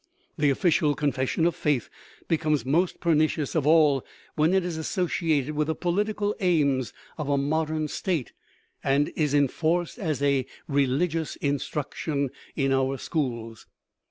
The official con fession of faith becomes most pernicious of all when it is associated with the political aims of a modern state, and is enforced as "religious instruction" in our schools.